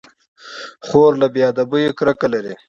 خور له بې ادبيو کرکه لري.